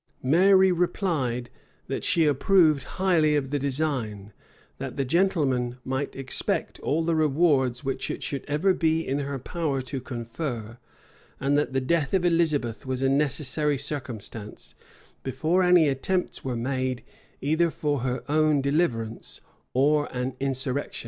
Mary replied, that she approved highly of the design; that the gentlemen might expect all the rewards which it should ever be in her power to confer; and that the death of Elizabeth was a necessary circumstance, before any attempts were made, either for her own deliverance or an insurrection.